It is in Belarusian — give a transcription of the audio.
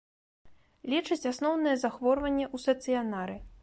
Лечаць асноўнае захворванне ў стацыянары.